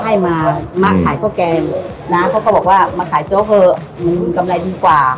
ให้มามะขายข้าวแกงนะเขาก็บอกว่ามาขายโจ๊กเถอะมึงกำไรดีกว่า